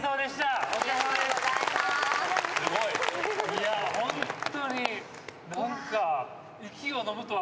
いやホントに何か。